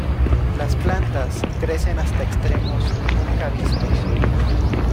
Las plantas crecen hasta extremos nunca vistos.